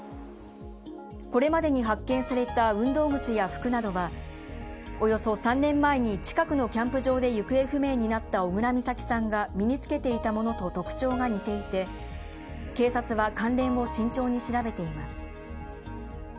これまでに発見された運動靴や服などはおよそ３年前に近くのキャンプ場で行方不明になった小倉美咲さんが身に着けていたものと特徴が似ていて、警察は関連を慎重に調べています。